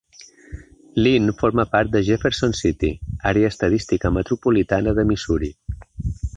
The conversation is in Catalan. Linn forma part de Jefferson City, Àrea Estadística Metropolitana de Missouri.